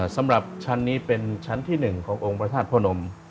สำหรับชั้นนี้เป็นชั้นที่๑ขององค์พระธาตุพระนม